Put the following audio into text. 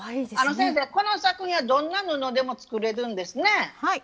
先生この作品はどんな布でも作れるんですね。